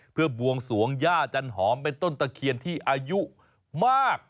เพื่อบวงสวงย่าจันหอมเป็นต้นตะเคียนที่อายุมาก